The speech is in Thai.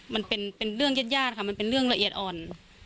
มันเป็นเรื่องญาติญาติค่ะมันเป็นเรื่องละเอียดอ่อน